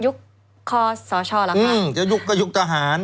ยุคขอสชละครับอืมจะยุคก็ยุคทหาร